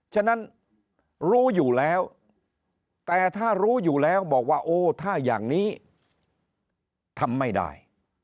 ฉะนั้นรู้อยู่แล้วแต่ถ้ารู้อยู่แล้วบอกว่าโอ้ถ้าอย่างนี้ทำไม่ได้